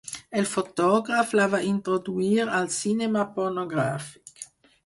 El fotògraf la va introduir al cinema pornogràfic.